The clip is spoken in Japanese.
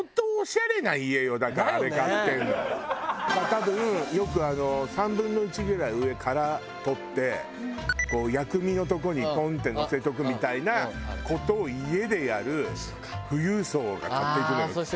多分よくあの３分の１ぐらい上殻取って薬味のとこにポンッてのせておくみたいな事を家でやる富裕層が買っていくのよ。